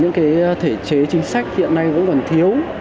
những thể chế chính sách hiện nay vẫn còn thiếu